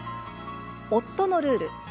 夫のルール。